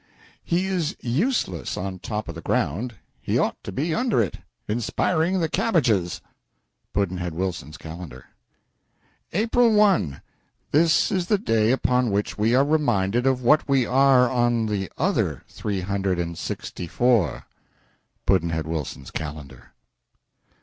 He is useless on top of the ground; he ought to be under it, inspiring the cabbages. Pudd'nhead Wilson's Calendar. April 1. This is the day upon which we are reminded of what we are on the other three hundred and sixty four. Pudd'nhead Wilson's Calendar.